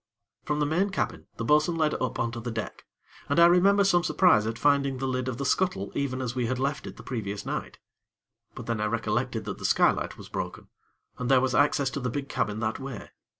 From the main cabin, the bo'sun led up on to the deck, and I remember some surprise at finding the lid of the scuttle even as we had left it the previous night; but then I recollected that the skylight was broken, and there was access to the big cabin that way.